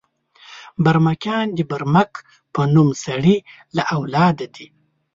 برمکیان د برمک په نوم سړي له اولاده دي.